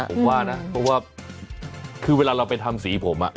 ผมว่านะเพราะว่าคือเวลาเราไปทำสีผม